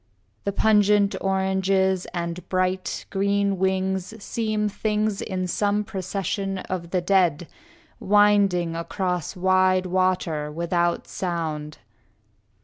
The pungent oranges and bright, green wings Seem things in some procession of the dead, Winding across wide water, without sound.